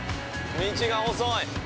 道が細い。